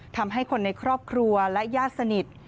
ทำให้คนในครอบครัวและญาติสนิท